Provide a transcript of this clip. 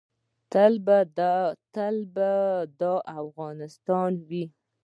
تل به دا افغانستان وي